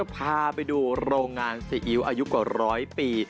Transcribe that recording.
พาไปดูโรงงานซีอิ๊วอายุกว่าร้อยปี